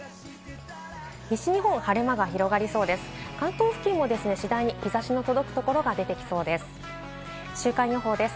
西日本、晴れ間が広がりそうです。